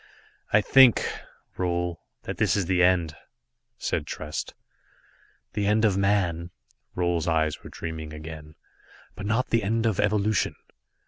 "I think, Roal, that this is the end," said Trest. "The end of man." Roal's eyes were dreaming again. "But not the end of evolution.